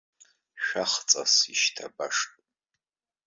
Шәахҵас ишьҭабашт.